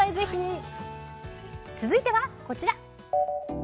続いては、こちらです。